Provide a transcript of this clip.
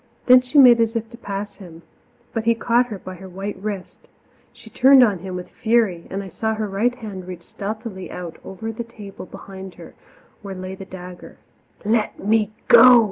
Then she made as if to pass him, but he caught her by her white wrist; she turned on him with fury, and I saw her right hand reach stealthily out over the table behind her, where lay the dagger. "Let me go!"